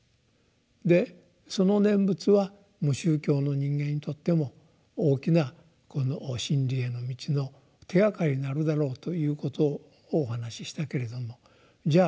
でその「念仏」は無宗教の人間にとっても大きな真理への道の手がかりになるだろうということをお話ししたけれどもじゃ